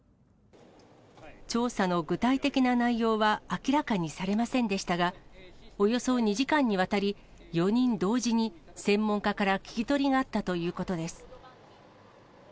調査の具体的な内容は明らかにされませんでしたが、およそ２時間にわたり、４人同時に、専門家から聞き取りがあったということです。